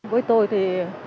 với tôi thì